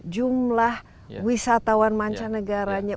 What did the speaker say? jumlah wisatawan mancanegaranya